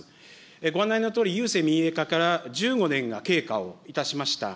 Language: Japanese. ご案内のとおり、郵政民営化から１５年が経過をいたしました。